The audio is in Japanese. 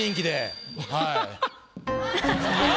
はい。